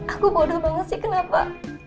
aku bodoh banget sih kenapa